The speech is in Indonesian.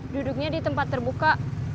duduknya di tempat terbuka